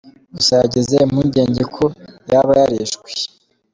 Gusa yagize impungenge ko yaba yarishwe.